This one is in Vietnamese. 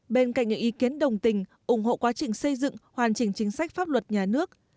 bên cạnh những ý kiến đồng tình ủng hộ quá trình xây dựng hoàn chỉnh chính sách pháp luật nhà nước